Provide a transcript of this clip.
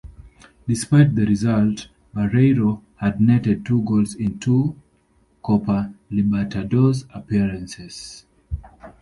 Despite the result, Bareiro had netted two goals in two Copa Libertadores appearances.